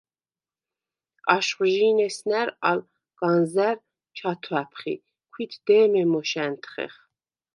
აშხვჟი̄ნ ესნა̈რ ალ განზა̈რ ჩვათვა̈ფხ ი ქვით დე̄მე მოშ ა̈ნთხეხ.